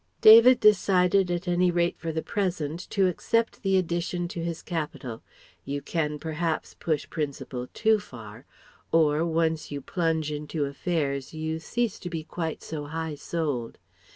David decided at any rate for the present to accept the addition to his capital you can perhaps push principle too far; or, once you plunge into affairs, you cease to be quite so high souled.